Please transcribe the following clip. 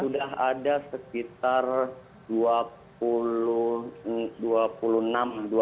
sudah ada sekitar dua puluh enam keluarga mas yang sudah terdata